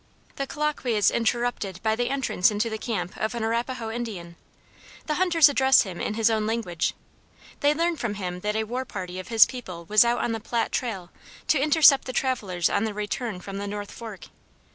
The colloquy is interrupted by the entrance into the camp of an Arapahoe Indian. The hunters address him in his own language. They learn from him that a war party of his people was out on the Platte trail to intercept the traders on their return from the North Fork.